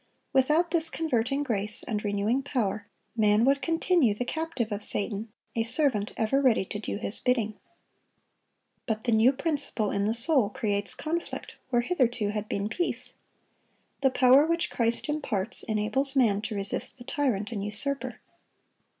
Without this converting grace and renewing power, man would continue the captive of Satan, a servant ever ready to do his bidding. But the new principle in the soul creates conflict where hitherto had been peace. The power which Christ imparts, enables man to resist the tyrant and usurper.